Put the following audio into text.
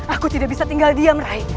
aku tidak bisa tinggal diam rai